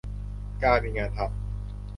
การมีงานทำ